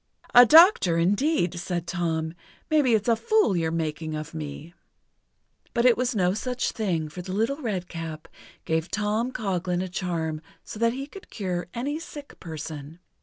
"A doctor, indeed!" said Tom. "Maybe it's a fool you're making of me!" But it was no such thing, for the Little Redcap gave Tom Coghlan a charm so that he could cure any sick person.